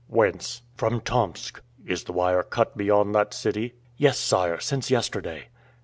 "Whence?" "From Tomsk?" "Is the wire cut beyond that city?" "Yes, sire, since yesterday."